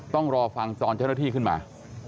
ต้องรอฟังตอนเจ้าหน้าที่ขึ้นมา